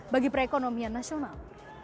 bagi perekonomian nasional